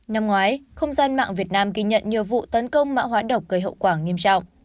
năm ngoái không gian mạng việt nam ghi nhận nhiều vụ tấn công mã hóa độc gây hậu quả nghiêm trọng